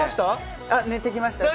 寝てきました。